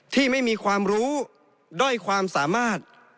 ที่ไม่มีความรู้ด้อยความสามารถ